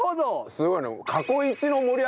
すごいね。